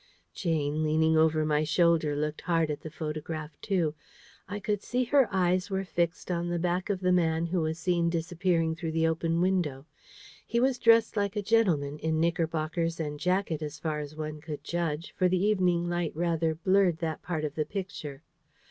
Jane, leaning over my shoulder, looked hard at the photograph too. I could see her eyes were fixed on the back of the man who was seen disappearing through the open window. He was dressed like a gentleman, in knickerbockers and jacket, as far as one could judge; for the evening light rather blurred that part of the picture.